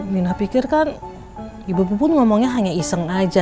minah pikir kan ibu puput ngomongnya hanya iseng aja